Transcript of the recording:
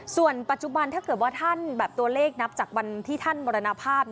ส่วนปัจจุบันถ้าเกิดว่าท่านแบบตัวเลขนับจากวันที่ท่านมรณภาพ